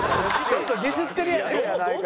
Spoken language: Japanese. ちょっとディスってるやないか。